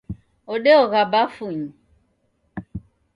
Odeogha bafunyi.